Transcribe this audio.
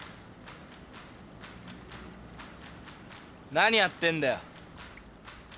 何やってんだよ。